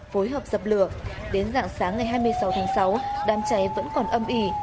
phối hợp dập lửa đến dạng sáng ngày hai mươi sáu tháng sáu đám cháy vẫn còn âm ỉ